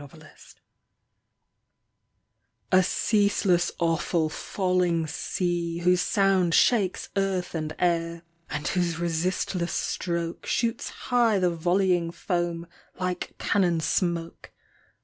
NIAGARA A ceaseless, awful, falling sea, whose sound Shakes earth and air, and whose resistless stroke Shoots high the volleying foam like cannon smoke!